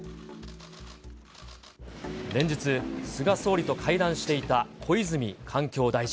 連日、菅総理と会談していた小泉環境大臣。